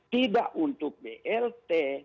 tidak untuk blt